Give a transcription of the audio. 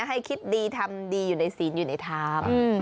ให้คิดดีทำดีอยู่ในศีลอยู่ในธรรม